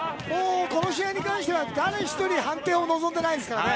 この試合に関しては誰一人判定を望んでないですからね。